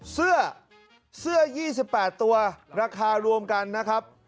เสื้อเสื้อ๒๘ตัวราคารวมกันนะครับ